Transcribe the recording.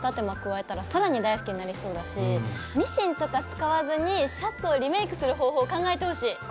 間加えたら更に大好きになりそうだしミシンとか使わずにシャツをリメイクする方法を考えてほしい！